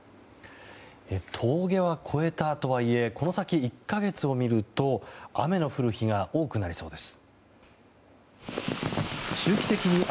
峠は越えたとはいえこの先１か月を見ると雨の降る日が多くなりそうです。